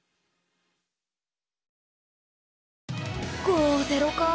５−０か。